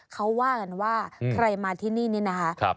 เขาว่ากันว่าใครมาที่นี่นี่นะคะ